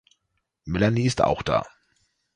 Melanie ist auch da.